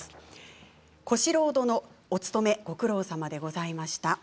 小四郎殿お勤めご苦労さまでございました。